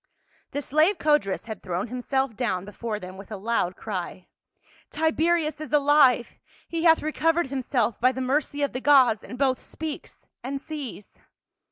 The slave Codrus had thrown himself down before them, with a loud cry. " Tiberius is alive ! he hath recovered himself by the mercy of the gods, and both speaks and sees."